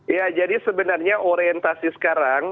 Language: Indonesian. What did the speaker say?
ya jadi sebenarnya orientasi sekarang